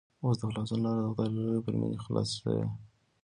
اوس د خلاصون لاره د خدای له لوري پر مينې خلاصه شوې